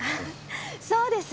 そうです。